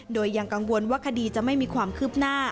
โดยยังกังวลว่าคดีจะไม่มีความคืบหน้า